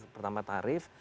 pertama dari tarif